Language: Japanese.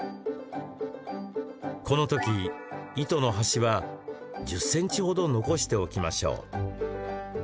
この時、糸の端は１０ｃｍ程残しておきましょう。